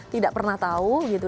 tidak pernah tahu gitu